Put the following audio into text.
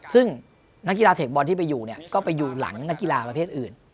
ซึ่งนักกีฬาเทคบอลที่ไปอยู่เนี่ยก็ไปอยู่หลังนักกีฬาประเภทอื่น